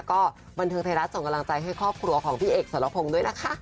ก็บันเทิงไทยรัฐส่งกำลังใจให้ครอบครัวของพี่เอกสรพงศ์ด้วยนะคะ